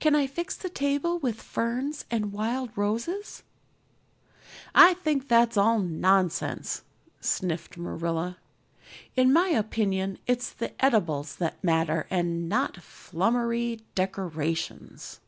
"Can I fix the table with ferns and wild roses?" "I think that's all nonsense," sniffed Marilla. "In my opinion it's the eatables that matter and not flummery decorations."